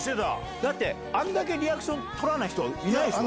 だってあんだけリアクション取らない人いないでしょ？